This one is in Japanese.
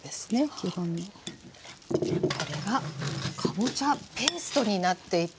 これがかぼちゃペーストになっていって。